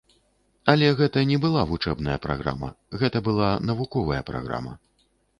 Але гэта не была вучэбная праграма, гэта была навуковая праграма.